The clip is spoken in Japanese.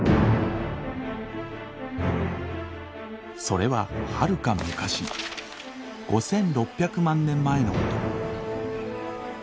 それははるか昔５，６００万年前のこと。